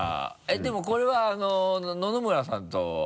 えっでもこれは野々村さんと。